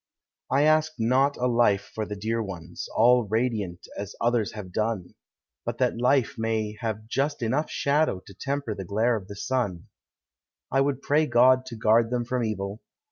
I ask not a life for the dear ones, All radiant, as others have done. Hut that life may have just enough shadow To temper the glare of the sun ; I would pray God to guard them from evil.